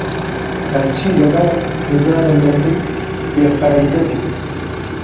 هەرچی لەگەڵ نزارم دەکرد، بێفایدە بوو